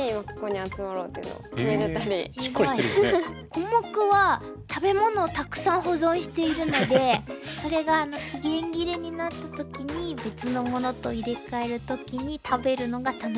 コモクは食べ物をたくさん保存しているのでそれが期限切れになった時に別の物と入れ替える時に食べるのが楽しみです。